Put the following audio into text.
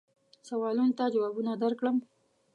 سوالونو ته جوابونه درکړم.